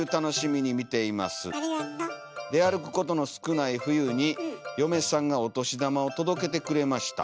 「出歩く事の少ない冬に嫁さんがお年玉を届けてくれました。